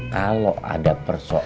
kalau ada persoalan